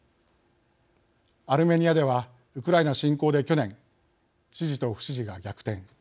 アルメニアではウクライナ侵攻で去年支持と不支持が逆転。